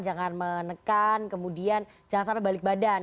jangan menekan kemudian jangan sampai balik badan